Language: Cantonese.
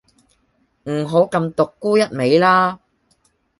唔好咁獨沽一味啦